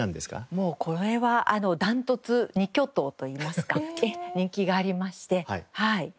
もうこれは断トツ２巨頭といいますか人気がありましてはい。